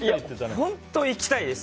本当行きたいです。